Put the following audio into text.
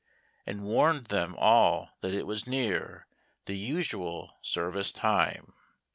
And warned them all that it was near The usual service time.